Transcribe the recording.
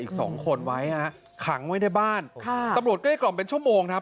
อีกสองคนไว้ฮะขังไว้ในบ้านค่ะตำรวจเกลี้กล่อมเป็นชั่วโมงครับ